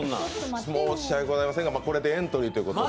申し訳ございませんが、これでエントリーということで。